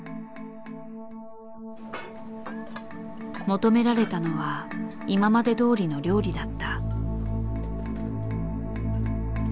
求められたのは今までどおりの料理だった。